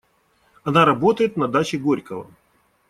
Она работает на даче Горького.